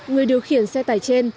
người điều khiển xe tải trên